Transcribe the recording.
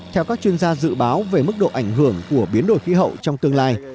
theo các chuyên gia dự báo về mức độ ảnh hưởng của biến đổi khí hậu trong tương lai